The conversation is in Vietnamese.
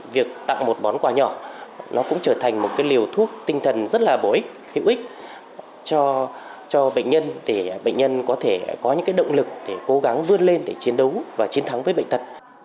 việc tặng một món quà nhỏ nó cũng trở thành một liều thuốc tinh thần rất là bổ ích hữu ích cho bệnh nhân để bệnh nhân có thể có những động lực để cố gắng vươn lên để chiến đấu và chiến thắng với bệnh tật